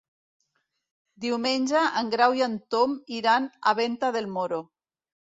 Diumenge en Grau i en Tom iran a Venta del Moro.